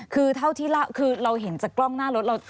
คือเท่าที่คือเราเห็นจากกล้องหน้ารถเรา